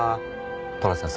寅さん